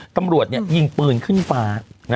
ตำรวจยิงปืนขึ้นฟ้า